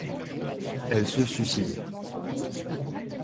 Elle se suicide.